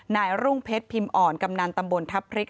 นายรุ่งเพชรพิมอร์นกำนันตำบลทัพฤกษ์